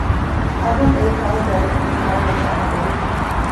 އަޑުން އެއީ ކާކުގެ އަޑެއްކަން އަހަރެންނަށް ފާހަގަވި